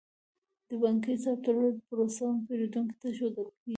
د بانکي حساب د تړلو پروسه هم پیرودونکو ته ښودل کیږي.